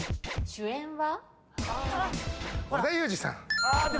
主演は？